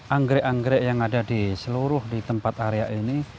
anggrek anggrek yang ada di seluruh di tempat area ini